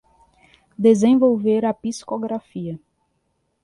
Desenvolver a psicografia